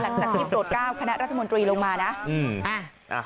หลังจากที่โปรดก้าวคณะรัฐมนตรีลงมานะ